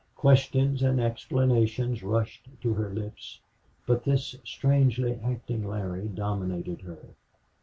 Questions and explanations rushed to her lips. But this strangely acting Larry dominated her.